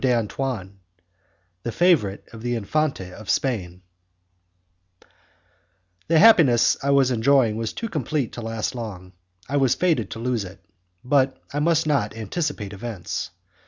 D'Antoine, the Favourite of the Infante of Spain The happiness I was enjoying was too complete to last long. I was fated to lose it, but I must not anticipate events.